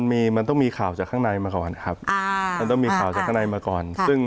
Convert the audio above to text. มันต้องมีข่าวจากข้างในมาก่อนครับมันต้องมีข่าวจากข้างในมาก่อนซึ่ง